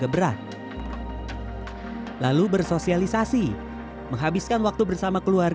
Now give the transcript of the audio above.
banyak makan sayur banyak makan buah